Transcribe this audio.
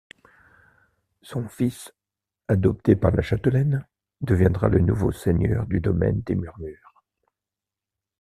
Son fils, adopté par la châtelaine, deviendra le nouveau seigneur du Domaine des Murmures.